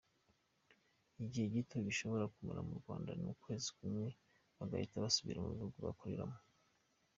Igihe gito bashobora kumara mu Rwanda ni ukwezi kumwe bagahita basubira mu bihugu bakoreramo.